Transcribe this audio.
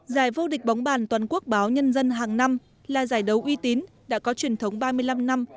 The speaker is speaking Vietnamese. giải vô địch bóng bàn toàn quốc báo nhân dân hàng năm là giải đấu uy tín đã có truyền thống ba mươi năm năm